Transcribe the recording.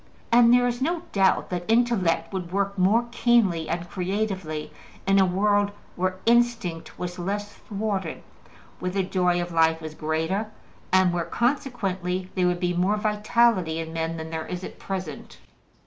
And there is no doubt that intellect would work more keenly and creatively in a world where instinct was less thwarted, where the joy of life was greater, and where consequently there would be more vitality in men than there is at present.